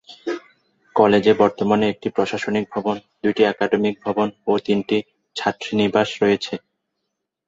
কলেজে বর্তমানে একটি প্রশাসনিক ভবন, দুইটি একাডেমিক ভবন ও তিনটি ছাত্রীনিবাস রয়েছে।